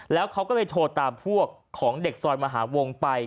แล้วเขาก็เลยโทรตามพวกของเด็กซอยมหาวงไป